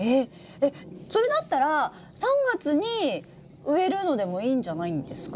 えっそれだったら３月に植えるのでもいいんじゃないんですか？